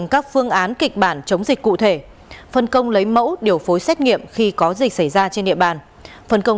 các đối tượng đều là người ngồi địa phương